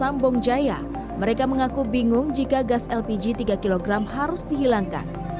di kampung jaya mereka mengaku bingung jika gas lpg tiga kg harus dihilangkan